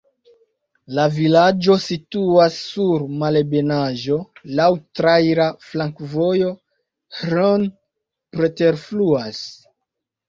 La vilaĝo situas sur malebenaĵo, laŭ traira flankovojo, Hron preterfluas.